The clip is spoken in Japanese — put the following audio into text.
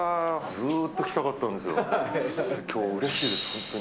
今日、うれしいです本当。